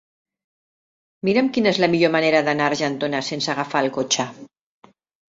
Mira'm quina és la millor manera d'anar a Argentona sense agafar el cotxe.